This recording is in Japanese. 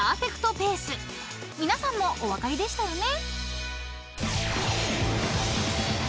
［皆さんもお分かりでしたよね？］